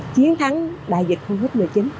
chiến thắng đại dịch covid một mươi chín